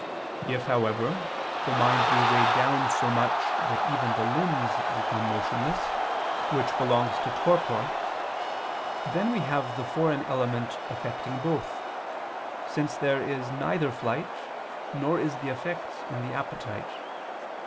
_ If, however, the mind be weighed down so much, that even the limbs become motionless, which belongs to torpor, then we have the foreign element affecting both, since there is neither flight, nor is the effect in the appetite.